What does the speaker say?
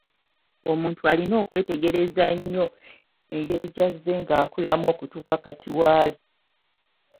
Omuntu alina okwetegereza nnyo engeri gy'azze ng'akulamu okutuuka kati waali.